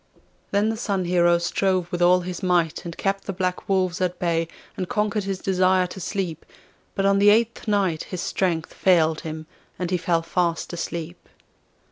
Then the Sun Hero strove with all his might and kept the black wolves at bay, and conquered his desire to sleep; but on the eighth night his strength failed him, and he fell fast asleep.